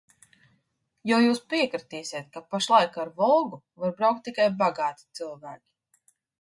"Jo jūs piekritīsit, ka pašlaik ar "Volgu" var braukt tikai bagāti cilvēki."